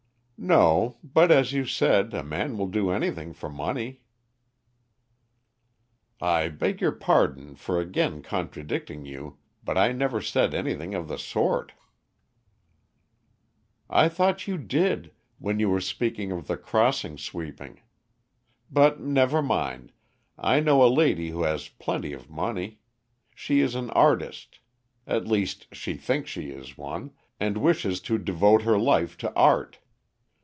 "No, but, as you said, a man will do anything for money." "I beg your pardon for again contradicting you, but I never said anything of the sort." "I thought you did, when you were speaking of the crossing sweeping; but never mind, I know a lady who has plenty of money; she is an artist; at least, she thinks she is one, and wishes to devote her life to art.